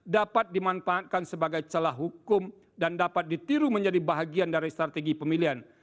dapat dimanfaatkan sebagai celah hukum dan dapat ditiru menjadi bahagian dari strategi pemilihan